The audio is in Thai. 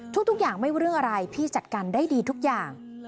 ทุกอย่างไม่รู้เรื่องอะไรพี่จัดการได้ดีทุกอย่าง